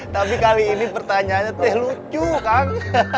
tapi kali ini pertanyaannya teh lucu kan